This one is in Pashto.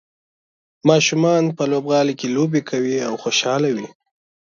ماشومان په لوبغالي کې لوبې کوي او خوشحاله وي.